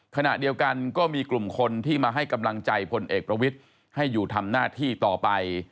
ขณะเดียวกันก็มีกลุ่มคนที่มาให้กำลังใจพลเอกประวิทย์ให้อยู่ทำหน้าที่ต่อไป